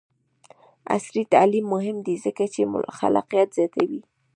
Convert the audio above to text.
عصري تعلیم مهم دی ځکه چې خلاقیت زیاتوي.